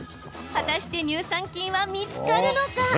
果たして乳酸菌は見つかるのか。